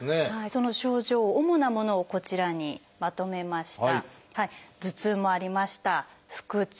その症状主なものをこちらにまとめました。